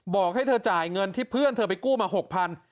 บอกให้เธอจ่ายเงินที่เพื่อนเธอไปกู้มา๖๐๐บาท